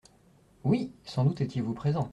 Oui ! Sans doute étiez-vous présent.